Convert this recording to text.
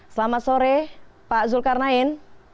selamat sore pak zulkarnain